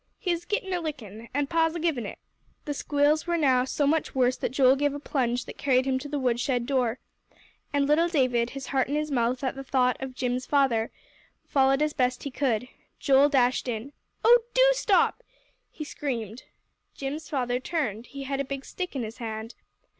"He's gittin' a lickin', and Pa's a givin' it." The squeals were now so much worse that Joel gave a plunge that carried him to the woodshed door, and little David, his heart in his mouth at thought of Jim's father, followed as best he could. Joel dashed in. "Oh, do stop!" he screamed. Jim's father turned; he had a big stick in his hand.